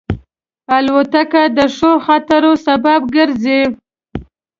الوتکه د ښو خاطرو سبب ګرځي.